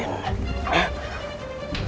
jangan jangan orang itu